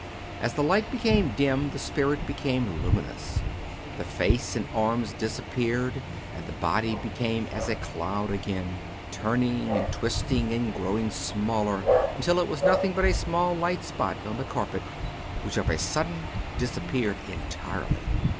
As the light became dim the spirit became luminous. The face and arms disappeared and the body became as a cloud again, turning and twist ing and growing smaller until it was nothing but a small light spot on the carpet, which of a sudden disappeared entirely.